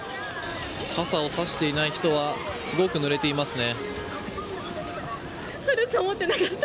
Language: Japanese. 傘をさしていない人はすごく濡れていますね。